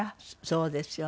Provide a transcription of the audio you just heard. そうですよね。